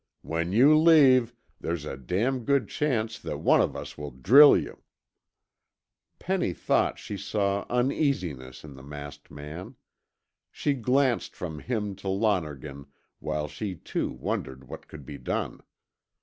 When you leave, there's a damn good chance that one of us will drill you." Penny thought she saw uneasiness in the masked man. She glanced from him to Lonergan while she too wondered what could be done.